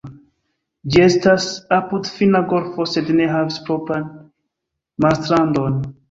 Ĝi estas apud Finna golfo sed ne havis propran marstrandon.